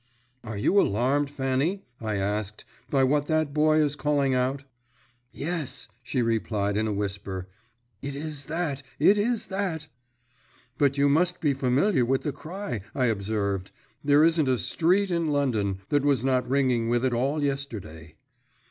"Are you alarmed, Fanny," I asked, "by what that boy is calling out?" "Yes," she replied in a whisper, "it is that, it is that!" "But you must be familiar with the cry," I observed. "There isn't a street in London that was not ringing with it all yesterday."